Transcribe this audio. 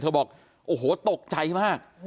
บอกโอ้โหตกใจมาก